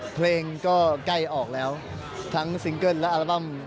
เพลงก็ใกล้ออกแล้วทั้งซิงเกิ้ลและอัลบั้ม